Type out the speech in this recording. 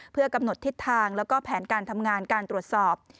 เพื่อกำหนดทิศทางแล้วก็แผนการทำงานการตรวจสอบ